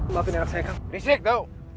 bapak ini raksasa kang risik tau